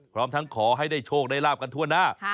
พร้อมทั้งขอให้ได้โชคได้ลาบกันทั่วหน้า